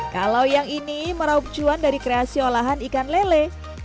kalau yang ini meraup cuan dari kreasi olahan ikan lele